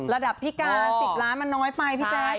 ระดับพี่การ๑๐ล้านมันน้อยไปพี่แจ๊คใช่